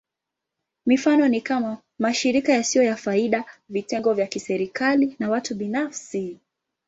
Mifano ni kama: mashirika yasiyo ya faida, vitengo vya kiserikali, na watu binafsi.